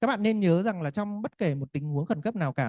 các bạn nên nhớ rằng là trong bất kể một tình huống khẩn cấp nào cả